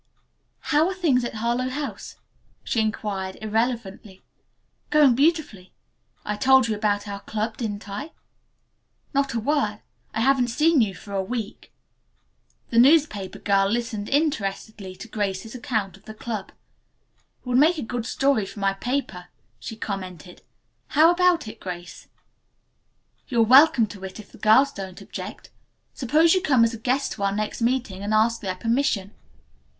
"How are things at Harlowe House?" she inquired irrelevantly. "Going beautifully. I told you about our club didn't I?" "Not a word. I haven't seen you for a week." The newspaper girl listened interestedly to Grace's account of the club. "It would make a good story for my paper," she commented. "How about it, Grace?" "You're welcome to it if the girls don't object. Suppose you come as a guest to our next meeting and ask their permission."